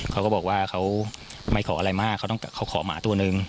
เขาก็บอกว่าเขาไม่ขออะไรมากเขาต้องเขาขอหมาตัวนึง